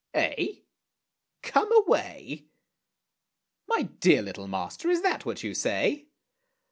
Eh? "Come away!" My dear little master, is that what you say?